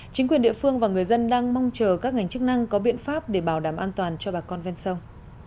chính quyền địa phương và người dân đang mong chờ các ngành chức năng có biện pháp để bảo đảm an toàn cho bà con ven sông